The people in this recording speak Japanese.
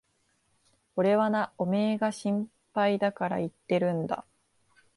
俺はな、おめえが心配だから言ってるんだ。